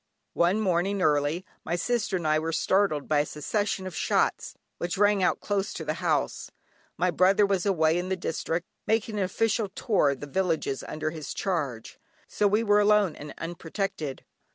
One morning early, my sister and I were startled by a succession of shots which rang out close to the house. My brother was away in the district, making an official tour among the villages under his charge, so we were alone and unprotected.